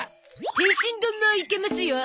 天津丼もいけますよ！